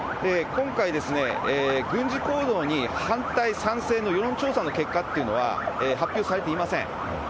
今回、軍事行動に反対、賛成の世論調査の結果というのは発表されていません。